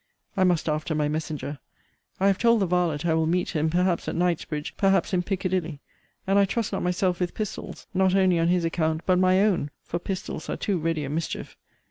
I must after my messenger. I have told the varlet I will meet him, perhaps at Knightsbridge, perhaps in Piccadilly; and I trust not myself with pistols, not only on his account, but my own for pistols are too ready a mischief.